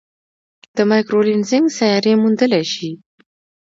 د مایکرو لینزینګ سیارې موندلای شي.